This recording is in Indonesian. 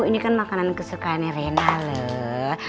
ini kan makanan kesukaan erena loh